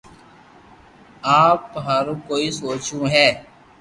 آپ ھارو ڪوئي سوچوو ھي